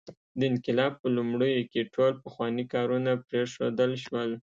د انقلاب په لومړیو کې ټول پخواني کارونه پرېښودل شول.